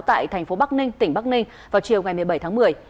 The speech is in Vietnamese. tại thành phố bắc ninh tỉnh bắc ninh vào chiều ngày một mươi bảy tháng một mươi